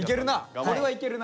これはいけるな。